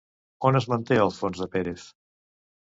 On es manté el fons de Pérez?